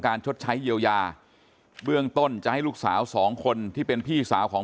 ชดใช้เยียวยาเบื้องต้นจะให้ลูกสาวสองคนที่เป็นพี่สาวของ